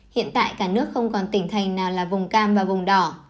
hiện tại cả nước không còn tỉnh thành nào là vùng cam và vùng đỏ